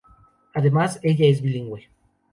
Además ella es bilingüe.